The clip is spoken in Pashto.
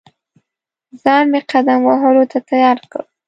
ځان مې قدم وهلو ته تیار کړ.